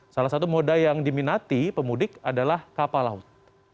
salah satu moda yang diminati pemudik adalah kapal laut